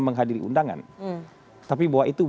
menghadiri undangan tapi bahwa itu